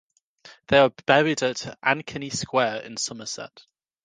They are buried at Ankeny Square in Somerset.